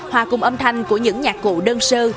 hòa cùng âm thanh của những nhạc cụ đơn sơ